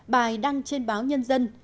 bài đăng trên báo nhân dân